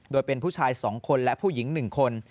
โดยเป็นผู้ชาย๒คนและผู้หญิง๑คน